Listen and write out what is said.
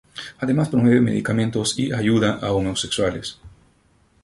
Además provee medicamentos y ayuda a homosexuales.